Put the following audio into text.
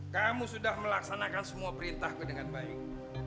kamu sudah melaksanakan semua perintahku dengan baik